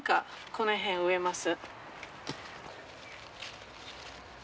この辺植えます。